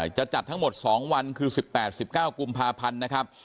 จะจัดทั้งหมด๒วันคือ๑๘๑๙กุมภาพันธ์นะครับ